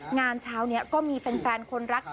งานเช้านี้ก็มีแฟนคนรัก